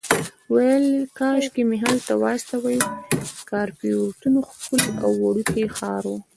ویل کاشکې مې هلته واستوي، کاپوریتو ښکلی او وړوکی ښار و.